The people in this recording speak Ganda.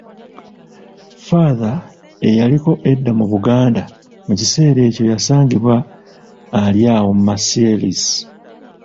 Father, eyaliko edda mu Buganda, mu kiseera ekyo yasangibwa ali awo Marseilles.